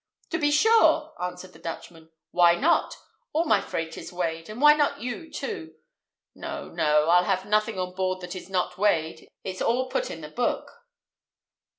"To be sure," answered the Dutchman; "why not? All my freight is weighed, and why not you, too? No, no. I'll have nothing on board that is not weighed: it's all put in the book."